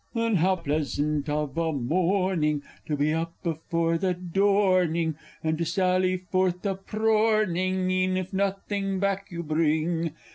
_ Then how pleasant of a morning, to be up before the dorning! And to sally forth a prorning e'en if nothing back you bring!